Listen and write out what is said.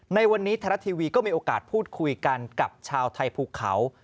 ในวันนี้ไทยรัฐทีวีก็มีโอกาสพูดคุยกันกับชาวไทยภูเขา